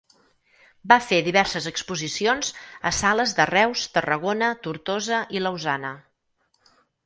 Va fer diverses exposicions a sales de Reus, Tarragona, Tortosa i Lausana.